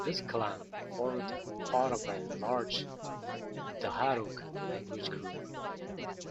This clan formed part of a large Dharug language group.